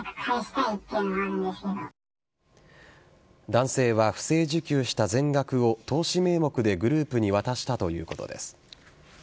男性は不正受給した全額を投資名目でグループに渡したということです。